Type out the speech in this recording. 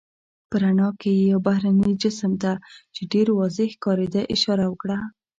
په رڼا کې یې یو بهرني جسم ته، چې ډېر واضح ښکارېده اشاره وکړه.